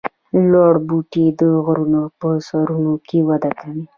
لوړ بوټي د غرونو په سرونو کې وده کوي